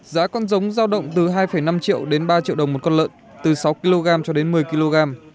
giá con giống giao động từ hai năm triệu đến ba triệu đồng một con lợn từ sáu kg cho đến một mươi kg